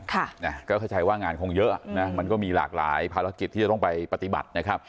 ค่ะนะก็เข้าใจว่างานคงเยอะนะมันก็มีหลากหลายภารกิจที่จะต้องไปปฏิบัตินะครับ